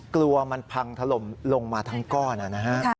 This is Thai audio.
กลัวมันพังถล่มลงมาทั้งก้อนนะฮะ